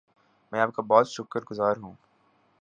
میں آپ کا بہت شکر گزار ہوں